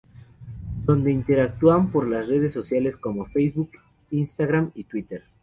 Donde interactúan por las redes sociales como Facebook, Instagram y Twitter.